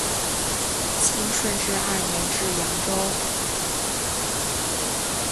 清顺治二年至扬州。